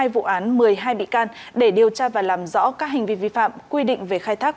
hai vụ án một mươi hai bị can để điều tra và làm rõ các hành vi vi phạm quy định về khai thác